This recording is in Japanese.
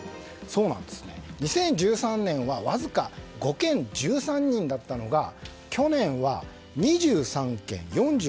２０１３年はわずか５件１３人だったのが去年は２３件４９人。